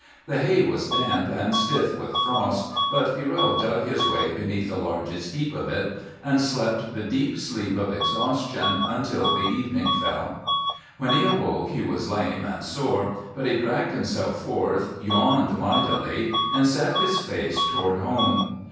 The hay was damp and stiff with frost, but Pierrot dug his way beneath the largest heap of it and slept the deep sleep of exhaustion until the evening fell. When he awoke he was lame and sore, but he dragged himself forth, yawned mightily, and set his face toward home.